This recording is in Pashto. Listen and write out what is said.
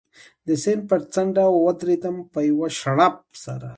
د سیند پر څنډه و درېدم، په یوه شړپ سره.